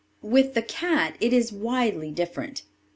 With the cat it is widely different.